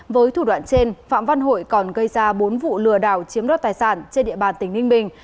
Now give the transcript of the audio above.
với thủ đoạn trên phạm văn hội còn gây ra bốn vụ lừa đảo chiếm đoạt tài sản trên địa bàn tỉnh ninh bình